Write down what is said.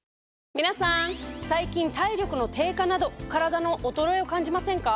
皆さん最近体力の低下などカラダの衰えを感じませんか？